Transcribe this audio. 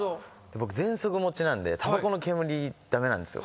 僕ぜんそく持ちなんでたばこの煙駄目なんですよ。